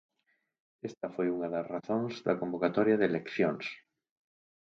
Esta foi unha das razóns da convocatoria de eleccións.